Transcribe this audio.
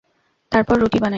তারপর রুটি বানাই।